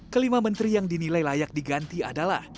kelima menteri yang dinilai layak diganti adalah